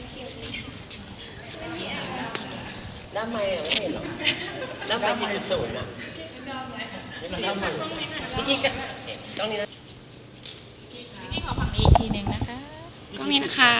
หลอมชื้องี้ค่ะ